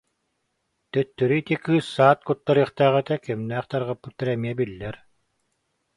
Төттөрү ити кыыс саат куттарыахтаах этэ, кимнээх тарҕаппыттара эмиэ биллэр